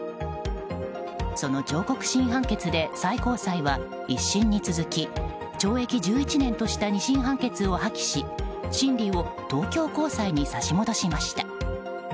その上告審判決で、最高裁は１審に続き懲役１１年とした２審判決を破棄し審理を東京高裁に差し戻しました。